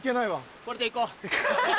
これで行こう！